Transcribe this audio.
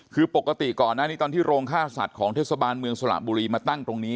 คือปกติก่อนหน้านี้ตอนที่โรงฆ่าสัตว์ของเทศบาลเมืองสระบุรีมาตั้งตรงนี้